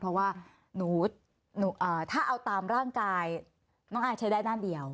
เพราะว่าถ้าเอาตามร่างกายน้องอายใช้ได้ด้านเดียว